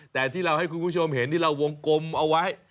แต่ที่เราให้คุณผู้ชมเห็นที่เราวงกลมเอาไว้